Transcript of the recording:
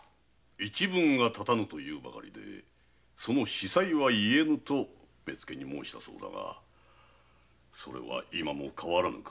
一分が立たぬというその子細は言えぬと目付に申したそうだがそれは今も変わらぬか？